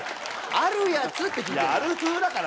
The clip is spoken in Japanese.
あるやつって聞いてんだ。